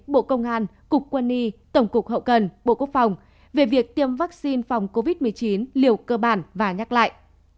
bộ công an cục quân y tổng cục hậu cần bộ quốc phòng về việc tiêm vaccine phòng covid một mươi chín liều cơ bản và nhắc lại